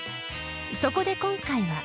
［そこで今回は］